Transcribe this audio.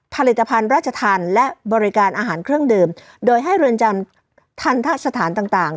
ผลิตภัณฑ์ราชธรรมและบริการอาหารเครื่องดื่มโดยให้เรือนจำทันทะสถานต่างต่าง